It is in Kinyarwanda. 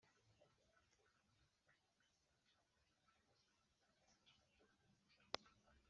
ni ukuri ukazengerezwa nk’uryamye mu nyanja hagati, cyangwa nk’umuntu uryamye hejuru y’umuringoti wo mu nkuge